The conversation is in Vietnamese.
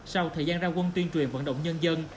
sau thời gian ra quân tuyên truyền vận động nhân dân